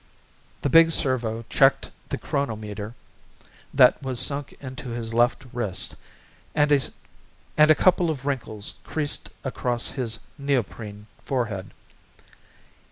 The big servo checked the chronometer that was sunk into his left wrist and a couple of wrinkles creased across his neoprene forehead.